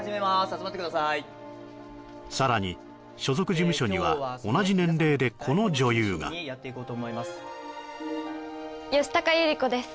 集まってくださいさらに所属事務所には同じ年齢でこの女優が吉高由里子です